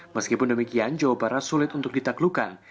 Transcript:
meskipun demikian jawa barat sulit untuk ditaklukkan